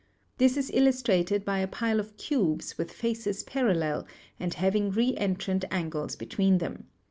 This is illustrated by a pile of cubes with faces parallel and having reentrant an gles between them.